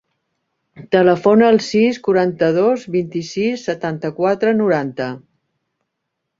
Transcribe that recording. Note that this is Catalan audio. Telefona al sis, quaranta-dos, vint-i-sis, setanta-quatre, noranta.